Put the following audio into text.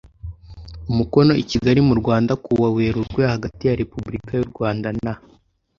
umukono i kigali mu rwanda kuwa werurwe hagati ya repubulika y u rwanda na